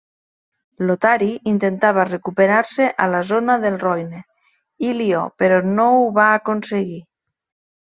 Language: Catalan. Lotari intentava recuperar-se a la zona del Roine i Lió però no ho va aconseguir.